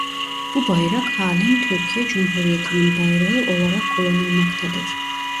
Bu bayrak halen Türkiye Cumhuriyeti'nin bayrağı olarak kullanılmaktadır.